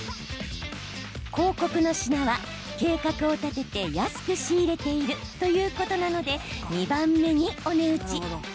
広告の品は計画を立てて安く仕入れているということなので２番目にお値打ち。